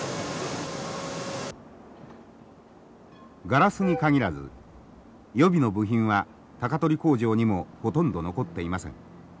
ガラスに限らず予備の部品は鷹取工場にもほとんど残っていません。